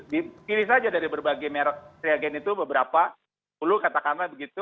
dipilih saja dari berbagai merek reagen itu beberapa puluh katakanlah begitu